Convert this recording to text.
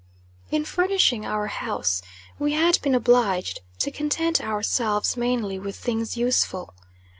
In furnishing our house, we had been obliged to content ourselves mainly with things useful.